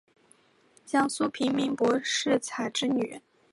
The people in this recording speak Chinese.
江苏平民柏士彩之女。